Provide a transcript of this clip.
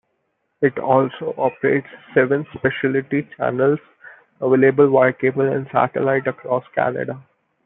It also operates seven specialty channels, available via cable and satellite across Canada.